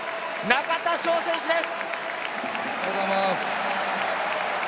中田翔選手です！